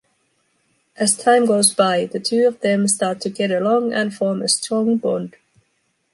As time goes by, the two of them start to get along and form a strong bond.